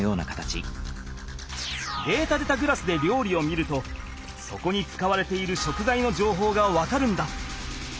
データでたグラスでりょうりを見るとそこに使われている食材のじょうほうが分かるんだ。